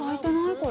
これ。